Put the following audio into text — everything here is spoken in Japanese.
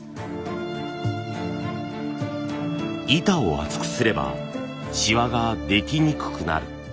板を厚くすればシワができにくくなる。